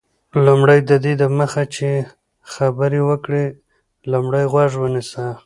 لومړی: ددې دمخه چي خبري وکړې، لومړی غوږ ونیسه.